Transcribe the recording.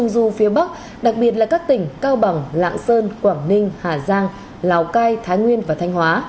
dù phía bắc đặc biệt là các tỉnh cao bằng lạng sơn quảng ninh hà giang lào cai thái nguyên và thanh hóa